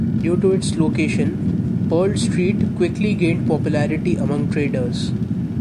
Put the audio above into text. Due to its location, Pearl Street quickly gained popularity among traders.